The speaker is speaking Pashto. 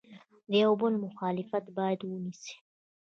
د یو بل مخالفت باید ونسي.